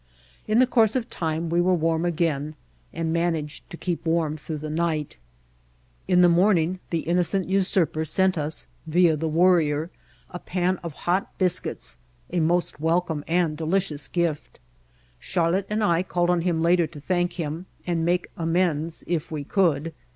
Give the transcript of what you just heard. In the course of time we were warm again and man aged to keep warm through the night. Snowstorm and Sandstorm In the morning the innocent usurper sent us, via the Worrier, a pan of hot biscuits, a most welcome and delicious gift. Charlotte and I called on him later to thank him and make amends if we could.